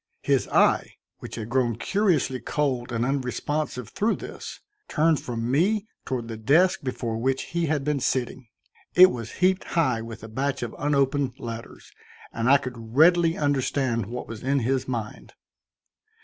His eye, which had grown curiously cold and unresponsive through this, turned from me toward the desk before which he had been sitting. It was heaped high with a batch of unopened letters, and I could readily understand what was in his mind.